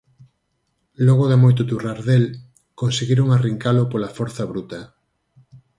Logo de moito turrar del, conseguiron arrincalo pola forza bruta.